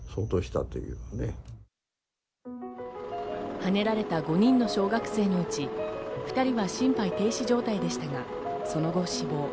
はねられた５人の小学生のうち２人は心肺停止状態でしたが、その後、死亡。